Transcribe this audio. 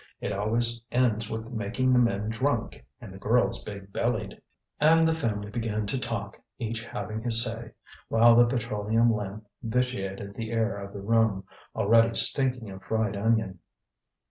It always ends with making the men drunk and the girls big bellied." And the family began to talk, each having his say, while the petroleum lamp vitiated the air of the room, already stinking of fried onion.